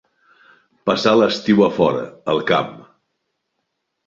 Passar l'estiu a fora, al camp.